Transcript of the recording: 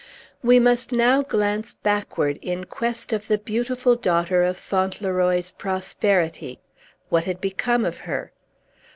We must now glance backward, in quest of the beautiful daughter of Fauntleroy's prosperity. What had become of her?